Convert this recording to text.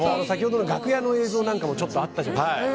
先ほどの楽屋の映像なんかもちょっとあったじゃないですか。